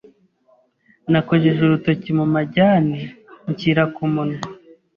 nakojeje urutoki mu majyane nshyira ku munwa,